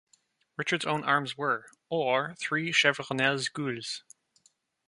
Richard's own arms were: Or, three chevronels gules.